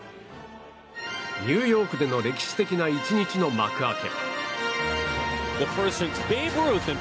ニューヨークでの歴史的な１日の幕開け。